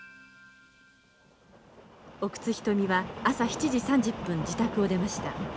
奥津牟は朝７時３０分自宅を出ました。